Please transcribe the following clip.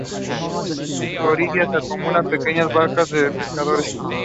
Moix "et al".